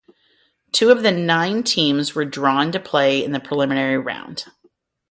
Two of the nine teams were drawn to play in the preliminary round.